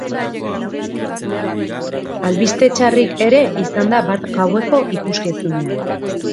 Albiste txarrik ere izan da bart gaueko ikuskizunean.